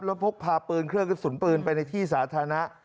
แล้วพกพาปืนเครื่องกระสุนปืนไปในที่สาธารณะ